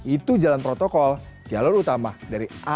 itu jalan protokol jalur utama dari arah mana mana